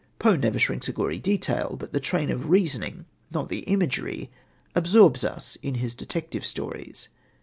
Poe never shirks a gory detail, but the train of reasoning not the imagery absorbs us in his detective stories.